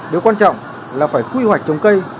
điều quan trọng là phải quy hoạch trồng cây